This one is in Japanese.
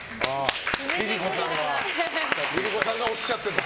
ＬｉＬｉＣｏさんがおっしゃっていた。